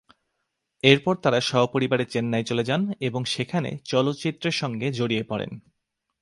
এরপর তারা সপরিবারে চেন্নাই চলে যান এবং সেখানে চলচ্চিত্রের সাথে জড়িয়ে পড়েন।